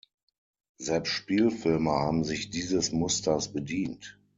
Selbst Spielfilme haben sich dieses Musters bedient.